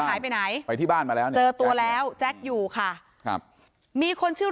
หายไปไหนไปที่บ้านมาแล้วเจอตัวแล้วแจ็คอยู่มีคนชื่อ